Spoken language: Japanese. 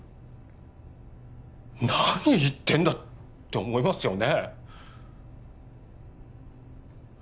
何言ってんだって思いますよね？